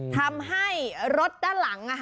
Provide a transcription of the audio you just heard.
ทำให้รถด้านหลัง